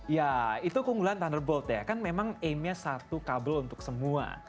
ya itu keunggulan thunderbold ya kan memang ame nya satu kabel untuk semua